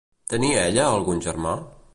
Tenia ella algun germà?